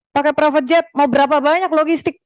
pakai private jet mau berapa banyak logistik